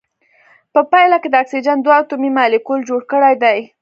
په پایله کې د اکسیجن دوه اتومي مالیکول جوړ کړی دی.